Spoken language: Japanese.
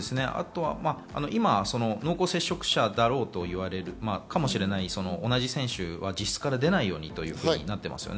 今、濃厚接触者だろうといわれている同じ選手は自室から出ないということになっています。